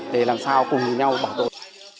để làm sao cùng nhau bảo tội